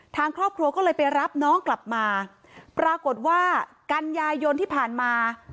ทางครอบครัวก็เลยไปรับน้องกลับมาปรากฏว่ากันยายนที่ผ่านมา